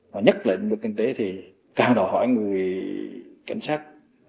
và nhất là lĩnh vực kinh tế thì cán bộ hỏi người cảnh sát